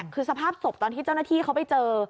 คือสภาพศพตอนที่เจ้าหน้าที่เขาไปเจอ